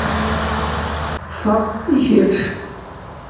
Ṭṣeɣ, i kečč?